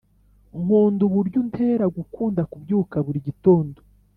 nkunda uburyo untera gukunda kubyuka buri gitondo